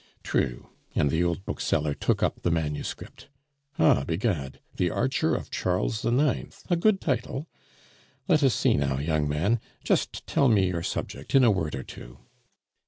"True," and the old bookseller took up the manuscript. "Ah, begad! The Archer of Charles IX., a good title. Let us see now, young man, just tell me your subject in a word or two."